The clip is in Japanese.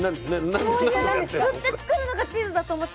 こういう振って作るのがチーズだと思ってたら。